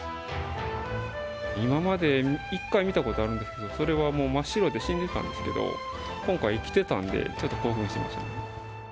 今まで１回見たことあるんですけど、それはもう真っ白で死んでたんですけど、今回、生きてたので、ちょっと興奮しましたね。